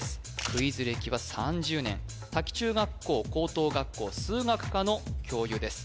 クイズ歴は３０年滝中学校高等学校数学科の教諭です